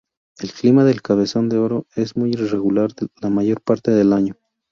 El clima del Cabezón de Oro es muy irregular la mayor parte del año.